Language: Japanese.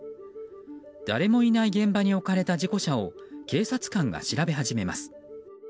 誰もいない現場に置かれた事故車を警察官が調べ始めます。